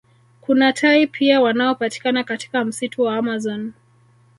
Kuna tai pia wanaopatikana katika msitu wa amazon